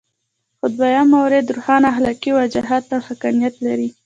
خو دویم مورد روښانه اخلاقي وجاهت او حقانیت لري.